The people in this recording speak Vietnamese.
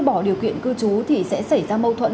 bỏ điều kiện cư trú thì sẽ xảy ra mâu thuẫn